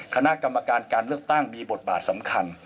คณะกรรมการการเลือกตั้งมีบทบาทสำคัญ